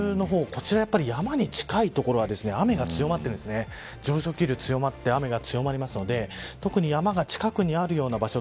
こちら、やっぱり山に近い所は雨が強まって上昇気流が強まって雨が強まるので特に山が近くにあるような場所